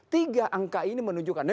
tiga angka ini menunjukkan